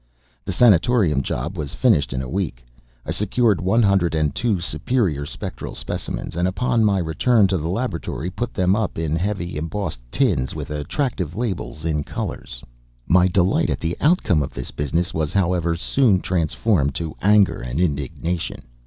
The sanatorium job was finished in a week. I secured one hundred and two superior spectral specimens, and upon my return to the laboratory, put them up in heavily embossed tins with attractive labels in colors. My delight at the outcome of this business was, however, soon transformed to anger and indignation.